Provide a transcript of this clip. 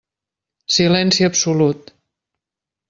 Silenci absolut.